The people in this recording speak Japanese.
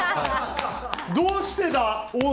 どうしてだ、おい！